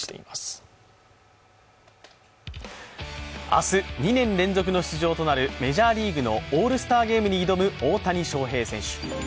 明日、２年連続の出場となるメジャーリーグのオールスターゲームに挑む大谷翔平選手。